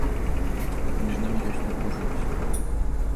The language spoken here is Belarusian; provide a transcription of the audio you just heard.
А паміж намі ёсць напружанасць.